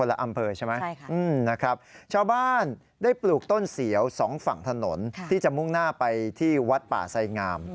ละอำเภอใช่ไหมนะครับชาวบ้านได้ปลูกต้นเสียวสองฝั่งถนนที่จะมุ่งหน้าไปที่วัดป่าไสงาม